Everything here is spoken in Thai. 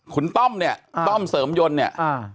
คุณต้อมเนี่ยต้อมเสริมยนต์เนี่ย